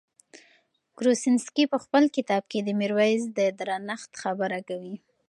کروسنسکي په خپل کتاب کې د میرویس د درنښت خبره کوي.